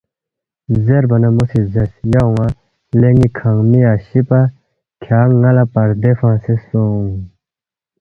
زیربا نہ مو سی زیرس، ”یا اون٘ا لے ن٘ی کھانگمی اشی پا کھیانگ ن٘ا لہ پردے فنگسے سونگ